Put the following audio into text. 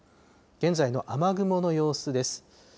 現在の雨雲の様子です。